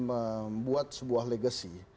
membuat sebuah legacy